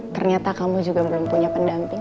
ternyata kamu juga belum punya pendamping